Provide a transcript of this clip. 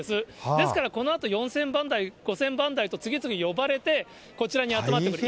ですから、このあと４０００番台、５０００番台と次々呼ばれて、こちらに集まってくる。